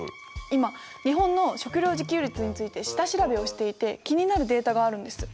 今日本の食料自給率について下調べをしていて気になるデータがあるんです。